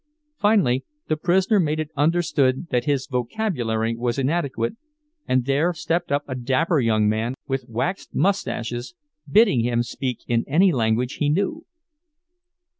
Finally, the prisoner made it understood that his vocabulary was inadequate, and there stepped up a dapper young man with waxed mustaches, bidding him speak in any language he knew.